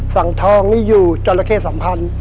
สังทองนี่อยู่จราเข้สัมพันธ์